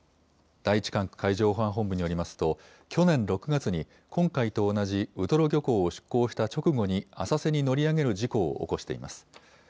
第１管区海上保安本部によりますと、去年６月に今回と同じウトロ漁港を出港した直後に、浅瀬に乗り上げる事故を起こしています。